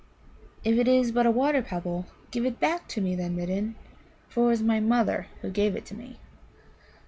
"If it is but a water pebble, give it back to me, then, Midden, for it was my mother who gave it me."